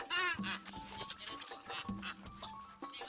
kalau bila binda binda amin bantu dia